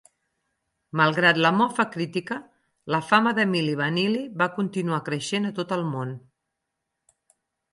Malgrat la mofa crítica, la fama de Milli Vanilli va continuar creixent a tot el món.